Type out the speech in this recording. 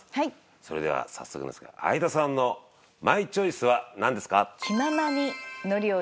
それでは早速なんですが相田さんのマイチョイスはなんですか？